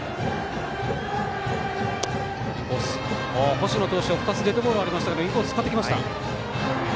星名投手は２つデッドボールがありましたがインコースを使ってきました。